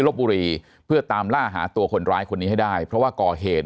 ลบบุรีเพื่อตามล่าหาตัวคนร้ายคนนี้ให้ได้เพราะว่าก่อเหตุ